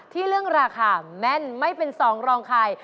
ที่เรื่องราคาแม่นไม่เป็น๒รองคาย